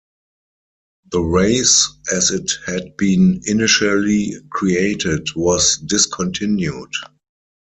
The race, as it had been initially created, was discontinued.